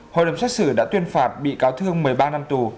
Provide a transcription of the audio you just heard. hội đồng xét xử đã tuyên phạt bị cáo thương một mươi ba năm tù